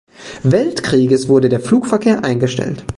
Weltkrieges wurde der Flugverkehr eingestellt.